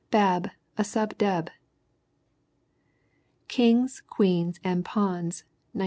Bab, a Sub Deb. Kings, Queens and Pawns, 1915.